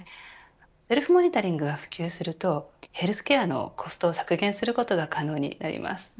セルフモニタリングが普及するとヘルスケアのコストを削減することが可能になります。